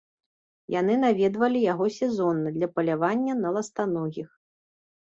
Яны наведвалі яго сезонна для палявання на ластаногіх.